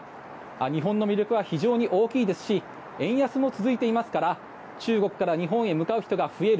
日本の魅力は非常に大きいですし円安も続いていますから中国から日本へ向かう人が増える